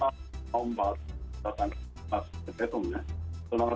setelah tanggal satu hingga sembilan